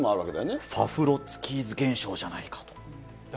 ファフロツキーズ現象じゃないかと。